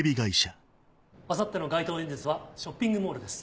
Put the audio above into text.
あさっての街頭演説はショッピングモールです。